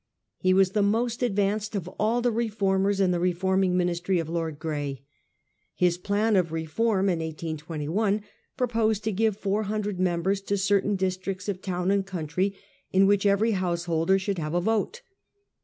He was the most advanced of all the reformers in the reforming Ministry of Lord Grey. His plan of Reform in 1821 proposed to give four hundred members to certain districts of town and country, in which every householder should have a vote.